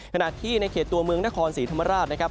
ขณะที่ในเขตตัวเมืองนครศรีธรรมราชนะครับ